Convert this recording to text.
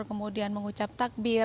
kemudian mengucap takbir